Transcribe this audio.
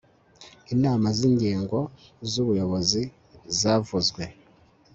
inama z inzego z ubuyobozi zavuzwe